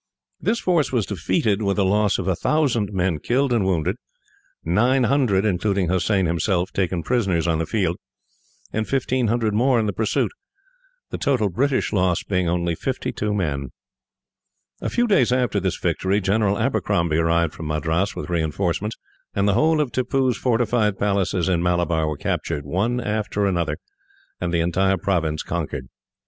This force was defeated, with a loss of 1000 men killed and wounded, 900, including Hossein himself, taken prisoners on the field, and 1500 in the pursuit; the total British loss being only 52 men. A few days after this victory, General Abercrombie arrived from Madras with reinforcements, and the whole of Tippoo's fortified places in Malabar were captured, one after another, and the entire province conquered.